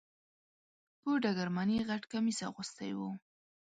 په ډګرمن یې غټ کمیس اغوستی و .